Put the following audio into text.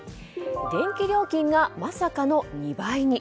電気料金が、まさかの２倍に。